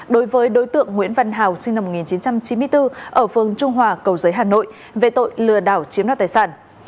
đối với đối tượng nguyễn văn hào sinh năm một nghìn chín trăm chín mươi bốn ở phương trung hòa cầu giấy hà nội về tội lừa đảo chiếm đoạt tài sản